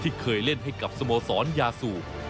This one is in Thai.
เคยเล่นให้กับสโมสรยาซู